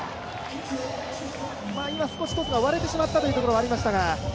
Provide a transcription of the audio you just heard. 今、少しトスが割れてしまったというところがありましたが。